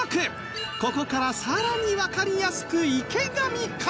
ここからさらにわかりやすく池上解説